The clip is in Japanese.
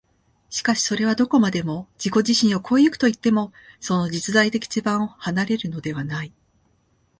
しかしそれはどこまでも自己自身を越え行くといっても、その実在的地盤を離れるのではない。